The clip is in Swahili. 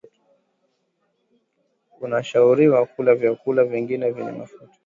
unashauriwa kula na vyakula vingine vyenye mafuta